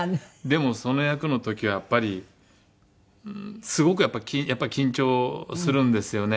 でもその役の時はやっぱりすごくやっぱり緊張するんですよね。